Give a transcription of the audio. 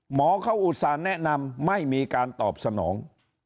หมอเขาอุตส่าห์แนะนำไม่มีการตอบสนอง